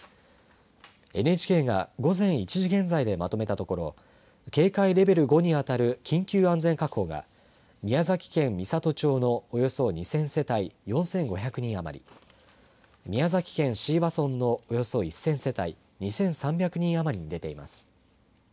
ＮＨＫが午前１時現在でまとめたところ警戒レベル５に当たる緊急安全確保が宮崎県美郷町のおよそ２０００世帯４５００人余り宮崎県椎葉村のおよそ１０００世帯２３００人余りに出ています。